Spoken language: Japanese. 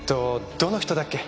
どの人だっけ？